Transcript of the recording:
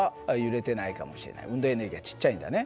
運動エネルギーはちっちゃいんだね。